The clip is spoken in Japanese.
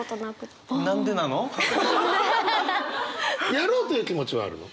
やろうという気持ちはあるの？